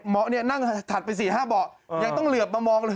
นั่งถัดไป๔๕เบาะยังต้องเหลือบมามองเลย